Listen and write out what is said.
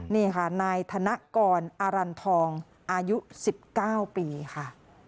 นี่ค่ะนายธนกรอรันทองอายุ๑๙ปีค่ะ